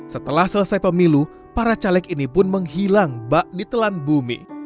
setelah selesai pemilu para caleg ini pun menghilang bak di telan bumi